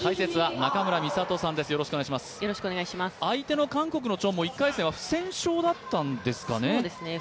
相手の韓国のチョンも１回戦は不戦勝だったんですかね。